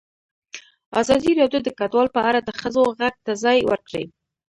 ازادي راډیو د کډوال په اړه د ښځو غږ ته ځای ورکړی.